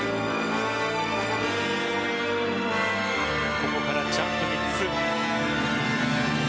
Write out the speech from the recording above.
ここからジャンプ３つ。